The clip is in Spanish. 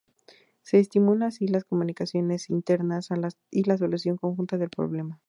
Se estimula así las comunicaciones internas y la solución conjunta del problema.